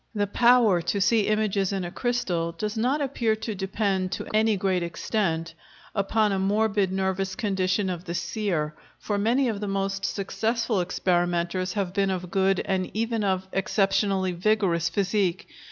The power to see images in a crystal does not appear to depend to any great extent upon a morbid nervous condition of the seer, for many of the most successful experimenters have been of good and even of exceptionally vigorous physique.